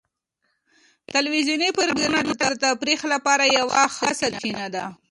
ټلویزیوني پروګرامونه د تفریح لپاره یوه ښه سرچینه ده.